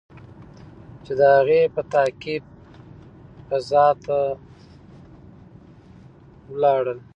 چې د هغې په تعقیب فضا ته لاړل.